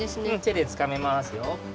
てでつかめますよ。